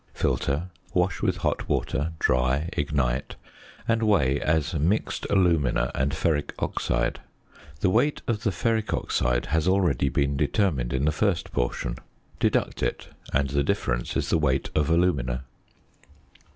Filter, wash with hot water, dry, ignite, and weigh as mixed alumina and ferric oxide. The weight of the ferric oxide has already been determined in the first portion: deduct it, and the difference is the weight of alumina.